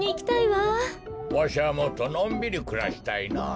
わしはもっとのんびりくらしたいなあ。